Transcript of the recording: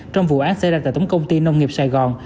trong vụ án xảy ra tại tổng công ty nông nghiệp sài gòn